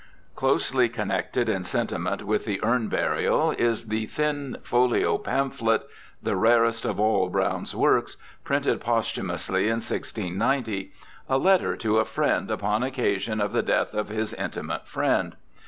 Closely connected in sentiment with the Urn Bunal is the thin folio pamphlet the rarest of all Browne's works, printed posthumously in 1690 — A Letter to a Friend upon Occasion of the Death of his Intimate Friend.